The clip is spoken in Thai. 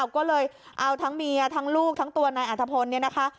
ก็เลยเอาทั้งเมียทั้งลูกทั้งตัวนายอัธพลเนี่ยนะคะ